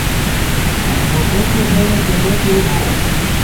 مُوݜوتے بو پتوتے بو